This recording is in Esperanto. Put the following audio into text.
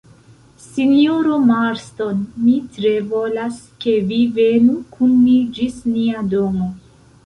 Sinjoro Marston, mi tre volas, ke vi venu kun ni ĝis nia domo.